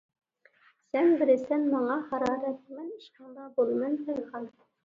سەن بىرىسەن ماڭا ھارارەت، مەن ئىشقىڭدا بولىمەن پايخان!